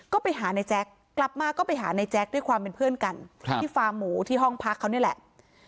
ก็ไปหาในแจ๊คกลับมาก็ไปหาในแจ๊คด้วยความเป็นเพื่อนกันที่ฟาร์มหมูที่ห้องพักเขานี่แหละ